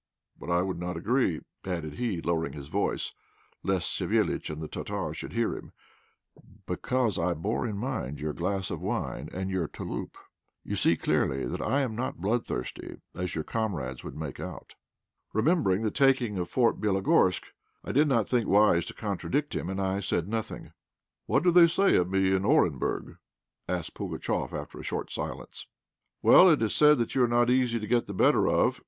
But I would not agree," added he, lowering his voice, lest Savéliitch and the Tartar should hear him, "because I bore in mind your glass of wine and your 'touloup.' You see clearly that I am not bloodthirsty, as your comrades would make out." Remembering the taking of Fort Bélogorsk, I did not think wise to contradict him, and I said nothing. "What do they say of me in Orenburg?" asked Pugatchéf, after a short silence. "Well, it is said that you are not easy to get the better of.